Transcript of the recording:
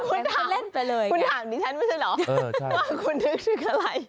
คุณถามคุณถามดิฉันไม่ใช่เหรอคุณนึกถึงอะไร